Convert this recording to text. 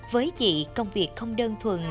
với chị công việc không đơn thuần